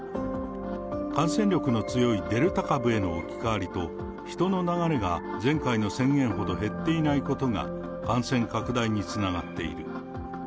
感染力の強いデルタ株への置き換わりと、人の流れが前回の宣言ほど減っていないことが、感染拡大につながっている。